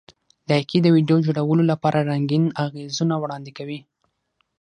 لایکي د ویډیو جوړولو لپاره رنګین اغېزونه وړاندې کوي.